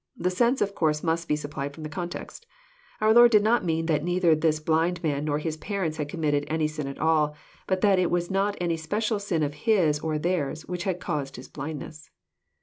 The sense of course must be supplied from the context. Our Lord did not mean that neither this blind man nor his parents had committed any sin at all, but that it was not any special sin of his or theirs which had caused his blindness.